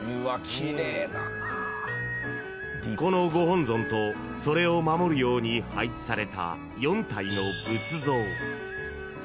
［このご本尊とそれを守るように配置された］